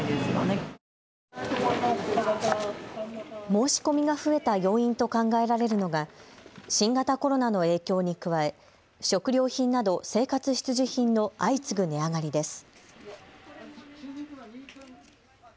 申し込みが増えた要因と考えられるのが新型コロナの影響に加え食料品など生活必需品の相次ぐ値上がりです。